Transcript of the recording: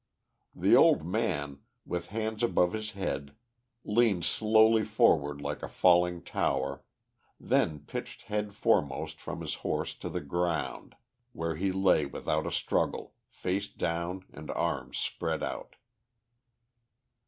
The old man, with hands above his head, leant slowly forward like a falling tower, then pitched head foremost from his horse to the ground, where he lay without a struggle, face down and arms spread out.